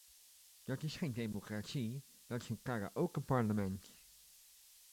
Dat is geen democratie, dat is een karaoke-parlement!